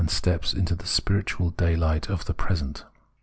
^eps into the spiritual daylight of the present.